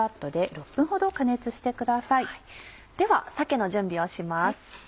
では鮭の準備をします。